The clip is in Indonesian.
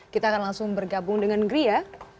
kita akan langsung bergabung dengan gria